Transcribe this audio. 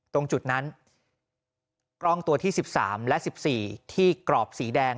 ตรงจุดนั้นกล้องตัวที่๑๓และ๑๔ที่กรอบสีแดง